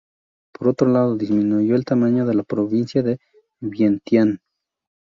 Por otro lado disminuyó el tamaño de la provincia de Vientián.